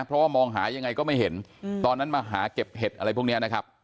เพราะว่ามองหายังไงก็ไม่เห็นตอนนั้นมาหาเก็บเห็ดอะไรพวกนี้นะครับ